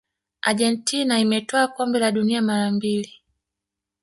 argentina imetwaa kombe la dunia mara mbili